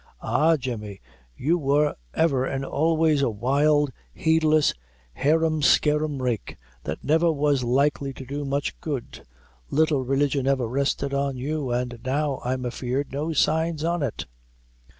"Ah! Jemmy, you wor ever an' always a wild, heedless, heerum skeerum rake, that never was likely to do much good; little religion ever rested on you, an' now I'm afeard no signs on it."